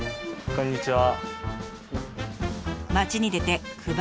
こんにちは！